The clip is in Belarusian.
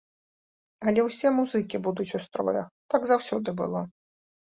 Але ўсе музыкі будуць у строях, так заўсёды было.